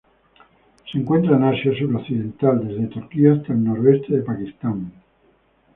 Se encuentra en Asia suroccidental, desde Turquía hasta el noreste de Pakistán.